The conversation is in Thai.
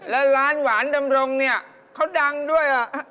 แล้วร้านหวานดำรงเนี่ยเขาดังด้วย